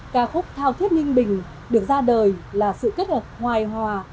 cà khúc thào thiết ninh bình được ra đời là sự kết hợp hoài hòa